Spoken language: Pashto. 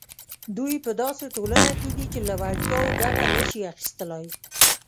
دوی په داسې ټولنه کې دي چې له وړتیاوو ګټه نه شي اخیستلای.